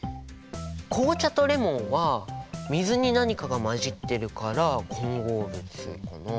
紅茶とレモンは水に何かが混じってるから混合物かなあ。